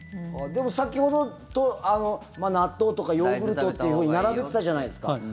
でも先ほど納豆とかヨーグルトというふうに並べてたじゃないですか。